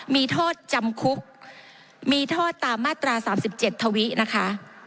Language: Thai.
มีโทษจำคุกมีโทษตามมาตรา๓๗ทวินะคะ